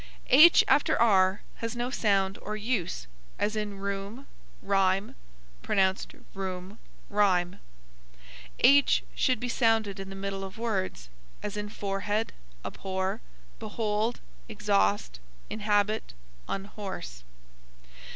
H after r has no sound or use; as in rheum, rhyme; pronounced reum, ryme. H should be sounded in the middle of words; as in forehead, abhor, behold, exhaust, inhabit, unhorse.